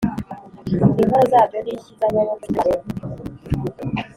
Inkoro zabyo n inshyi z amaboko y iburyo Aroni